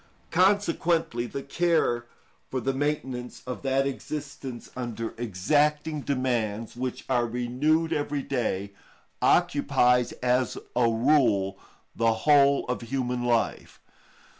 Consequently the care for the maintenance of that existence under exacting demands, which are renewed every day, occupies, as a rule, the whole of human life.